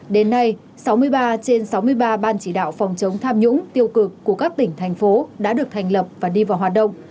đến nay sáu mươi ba trên sáu mươi ba ban chỉ đạo phòng chống tham nhũng tiêu cực của các tỉnh thành phố đã được thành lập và đi vào hoạt động